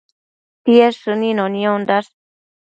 Tied shënino niondash